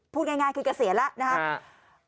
พูดง่ายคือเกษียณแล้วนะครับ